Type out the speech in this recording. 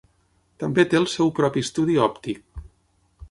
També té el seu propi estudi òptic.